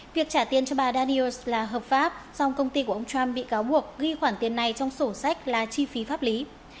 việc trả tiền cho bà danios là hợp pháp song công ty của ông trump bị cáo buộc ghi khoản tiền này trong sổ sách là chi phí pháp lý